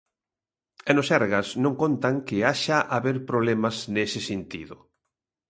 E no Sergas non contan que haxa haber problemas nese sentido.